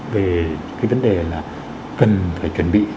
về cái vấn đề là cần phải chuẩn bị